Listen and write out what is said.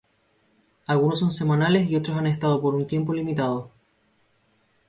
Algunos son semanales y otros han estado por un tiempo limitado.